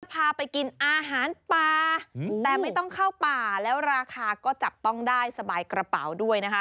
พาไปกินอาหารป่าแต่ไม่ต้องเข้าป่าแล้วราคาก็จับต้องได้สบายกระเป๋าด้วยนะคะ